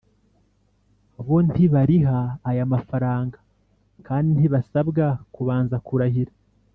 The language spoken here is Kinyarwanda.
bo ntibariha aya mafaranga kandi ntibasabwa kubanza kurahira.